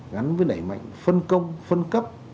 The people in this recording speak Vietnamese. gắn với nảy mạnh phân công phân cấp